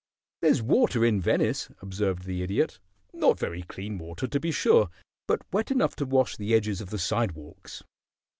"There's water in Venice," observed the Idiot. "Not very clean water, to be sure, but wet enough to wash the edges of the sidewalks."